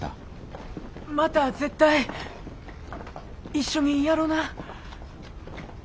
また絶対一緒にやろな。